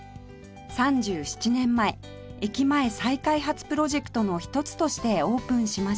３７年前駅前再開発プロジェクトの一つとしてオープンしました